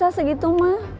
gak bisa segitu mah